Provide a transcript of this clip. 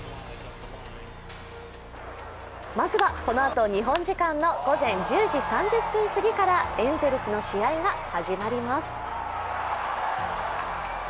まずは、このあと日本時間の午前１０時２０分過ぎからエンゼルスの試合が始まります。